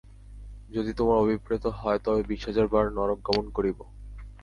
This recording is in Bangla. যদি তোমার অভিপ্রেত হয়, তবে বিশ হাজার বার নরক গমন করিব।